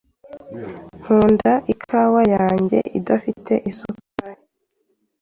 Nkunda ikawa yanjye idafite isukari.